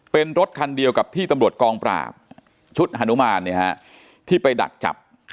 เป็นรถคันเดียวกับที่ตำรวจกองปราบชุดฮานุมานที่ไปดักจับ